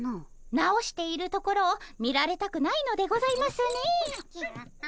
直しているところを見られたくないのでございますね。